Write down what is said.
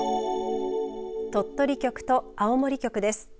鳥取局と青森局です。